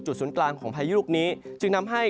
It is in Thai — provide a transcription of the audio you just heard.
ศูนย์กลางของพายุลูกนี้จึงทำให้